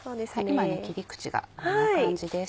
今切り口がこんな感じです。